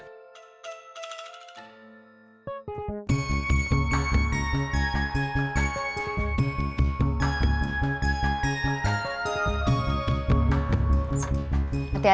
terima kasih cik